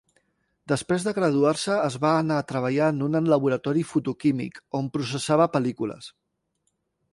Després de graduar-se es va anar a treballar en un laboratori fotoquímic, on processava pel·lícules.